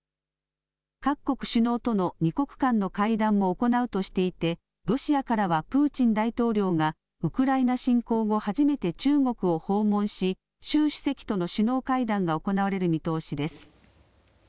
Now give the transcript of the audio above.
各国首脳との２国間の会談も行うとしていてロシアからはプーチン大統領がウクライナ侵攻後、初めて中国を訪問し習主席との首脳会談が行われる見通しです。